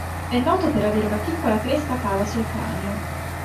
È noto per avere una piccola cresta cava sul cranio.